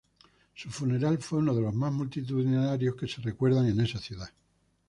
Su funeral fue uno de los más multitudinarios que se recuerdan en esa ciudad.